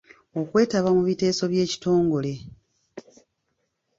Okwetaba mu biteeso by'ekitongole.